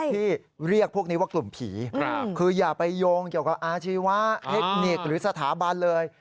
ที่เรียกพวกนี้ว่ากลุ่มผีคืออย่าไปโยงเกี่ยวกับอาชีวะเทคนิคหรือสถาบันเลย